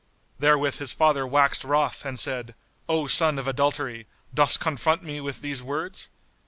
Therewith his father waxed wroth and said, "O son of adultery, dost confront me with these words?"